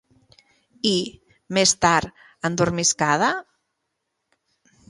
I, més tard, endormiscada?